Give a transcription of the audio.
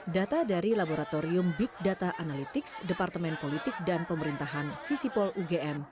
data dari laboratorium big data analytics departemen politik dan pemerintahan visipol ugm